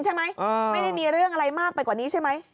ไม่ได้มีเรื่องอะไรมากไปกว่านี้ใช่ไหม